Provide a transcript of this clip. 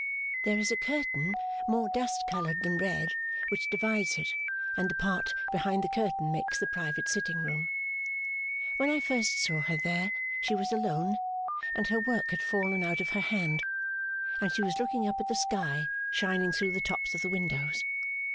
There is a curtain more dust coloured than red, which divides it, and the part behind the curtain makes the private sitting room. When I first saw her there she was alone, and her work had fallen out of her hand, and she was looking up at the sky shining through the tops of the windows.